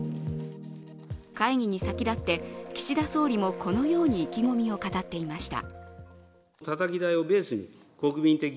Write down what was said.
会議に先立って、岸田総理もこのように意気込みを語っていました。